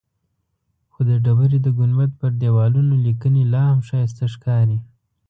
خو د ډبرې د ګنبد پر دیوالونو لیکنې لاهم ښایسته ښکاري.